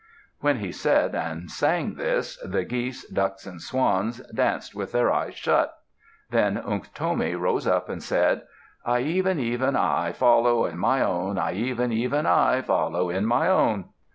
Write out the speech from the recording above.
When he said and sang this, the geese, ducks, and swans danced with their eyes shut. Then Unktomi rose up and said, I even, even I Follow in my own; I even, even I, Follow in my own.